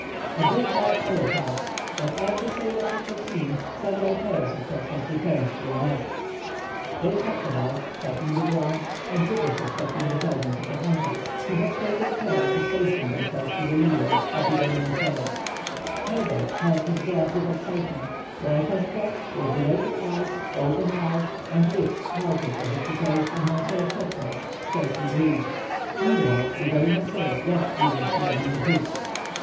A good half hour passed, but as the sailor had foreseen, several pairs of tetras returned to their nests. They hopped about, pecking the ground, and little suspecting the presence of the hunters, who had taken care to station themselves to leeward of the gallinaceæ. Herbert held his breath with excitement, while Pencroff, with dilated eyes, open month, and lips parted as if to taste a morsel of tetras, scarcely breathed. Meanwhile the gallinaceæ walked heedlessly among the hooks.